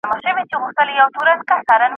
ستا به هار دانه دانه وي زما به لاس نه در رسیږي